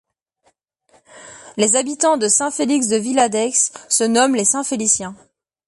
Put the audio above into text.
Les habitants de Saint-Félix-de-Villadeix se nomment les Saint-Féliciens.